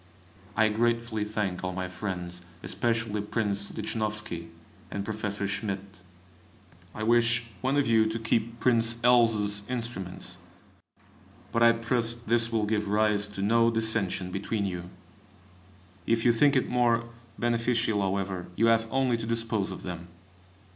I gratefully thank all my friends, especially Prince Lichnowsky and Professor Schmidt. I wish one of you to keep Prince L 's instruments; but I trust this will give rise to no dissension between you. If you think it more beneficial, however, you have only to dispose of them.